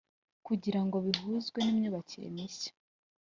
Kugirango bihuzwe n’imyubakire mishya